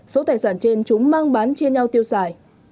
số tài sản trên chúng mang bán chia nhau tiêu xài